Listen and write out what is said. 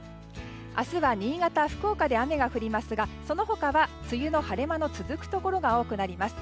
明日は新潟、福岡で雨が降りますがその他は、梅雨の晴れ間の続くところが多くなります。